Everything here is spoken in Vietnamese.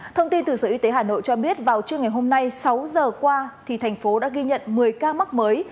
thông tin từ sở y tế hà nội cho biết vào trưa ngày hôm nay sáu giờ qua thành phố đã ghi nhận một mươi ca mắc mới